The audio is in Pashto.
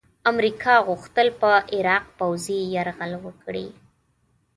امریکا غوښتل په عراق پوځي یرغل وکړي.